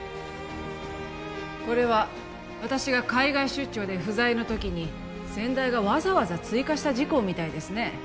これは私が海外出張で不在の時に先代がわざわざ追加した事項みたいですね